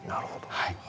はい。